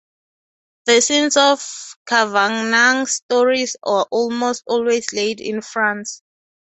The scenes of Kavanagh's stories are almost always laid in France.